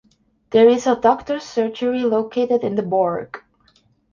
There is a doctors surgery located in the Borg.